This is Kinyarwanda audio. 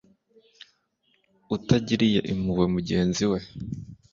utagiriye impuhwe mugenzi we